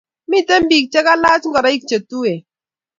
Miten Pik che kalaj ngoroik che tuen .